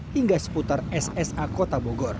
hingga seputar esan